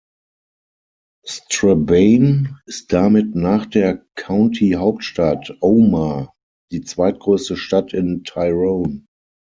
Strabane ist damit nach der County-Hauptstadt Omagh die zweitgrößte Stadt in Tyrone.